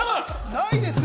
ないですよ！